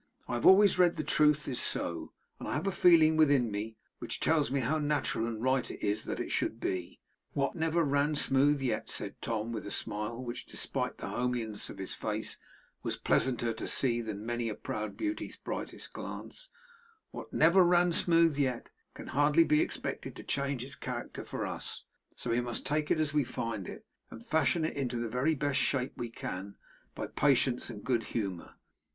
I have always read that the truth is so, and I have a feeling within me, which tells me how natural and right it is that it should be. That never ran smooth yet,' said Tom, with a smile which, despite the homeliness of his face, was pleasanter to see than many a proud beauty's brightest glance; 'what never ran smooth yet, can hardly be expected to change its character for us; so we must take it as we find it, and fashion it into the very best shape we can, by patience and good humour.